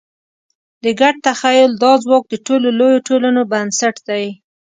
د ګډ تخیل دا ځواک د ټولو لویو ټولنو بنسټ دی.